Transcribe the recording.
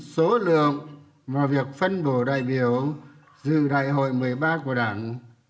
tiêu chuẩn số lượng và việc phân bổ đại biểu dự đại hội một mươi ba của đảng